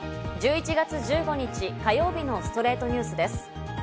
１１月１５日、火曜日の『ストレイトニュース』です。